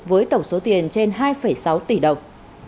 với tổng số tiền trên hai sáu tỷ đồng